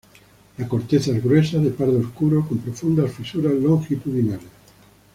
La corteza es gruesa de pardo oscuro, con profundas fisuras longitudinales.